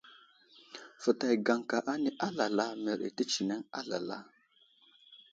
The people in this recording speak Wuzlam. Fətay gaŋka ane alala mərdi tətsəneŋ alala.